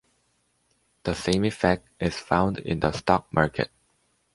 The same effect is found in the stock market.